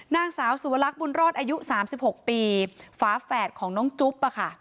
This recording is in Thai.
นางสาวสุวรรคบุญรอดอายุ๓๖ปีฝาแฝดของน้องจุ๊บ